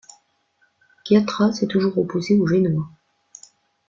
Chiatra s’est toujours opposé aux Génois.